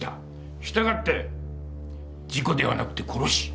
従って事故ではなくて殺し。